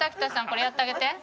これやってあげて。